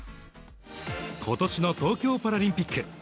ことしの東京パラリンピック。